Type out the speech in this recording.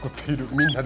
みんなで！？